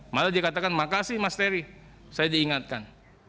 malah dikatakan makasih mas terry saya diingatkan